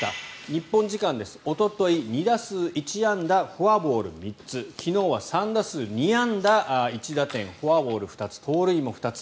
日本時間おととい２打数１安打フォアボール３つ昨日は３打数２安打１打点フォアボール２つ盗塁も２つ。